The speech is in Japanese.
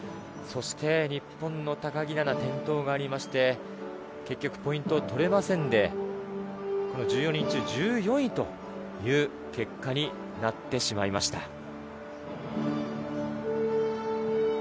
そして日本の高木菜那、転倒がありまして、結局ポイントを取れませんで、１４人中１４位という結果になってしまいました。